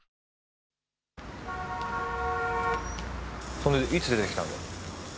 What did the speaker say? それでいつ出てきたんだよ？